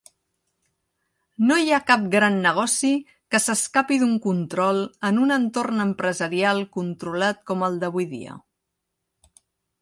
No hi ha cap gran negoci que s'escapi d'un control en un entorn empresarial controlat com el d'avui dia.